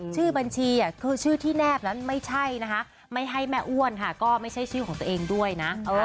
ชื่อบัญชีคือชื่อที่แนบนั้นไม่ใช่นะคะไม่ใช่แม่อ้วนค่ะก็ไม่ใช่ชื่อของตัวเองด้วยนะ